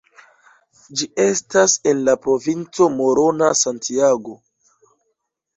Ĝi estas en la provinco Morona-Santiago.